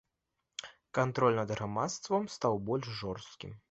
Кантроль над грамадствам стаў больш жорсткім.